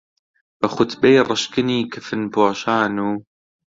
بە خوتبەی ڕشکنی کفنپۆشان و